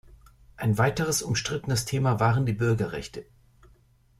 Ein weiteres umstrittenes Thema waren die Bürgerrechte.